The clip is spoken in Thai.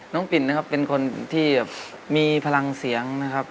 ปิ่นนะครับเป็นคนที่มีพลังเสียงนะครับ